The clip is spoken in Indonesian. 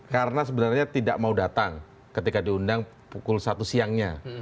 karena sebenarnya tidak mau datang ketika diundang pukul satu siangnya